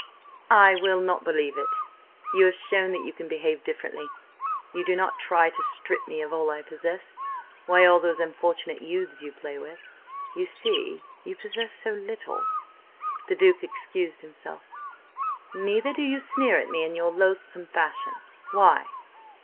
"I will not believe it! You have shown that you can behave differently! You do not try to strip me of all I possess–why all those unfortunate youths you play with?" "You see, you possess so little," the Duke excused himself. "Neither do you sneer at me in your loathsome fashion. Why?"